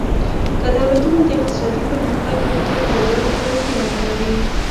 که دولتونه د اقتصادي پرمختګ لپاره پایداره پالیسي ونه لري.